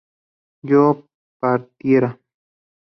yo partiera